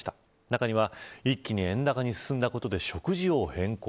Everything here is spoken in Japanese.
中には、一気に円高に進んだことで食事を変更。